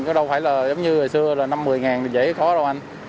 có đâu phải là giống như ngày xưa là năm mươi ngàn dễ có đâu anh